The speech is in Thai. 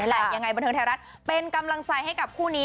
ยังไงบันเทิงไทยรัฐเป็นกำลังใจให้กับคู่นี้